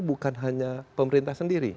bukan hanya pemerintah sendiri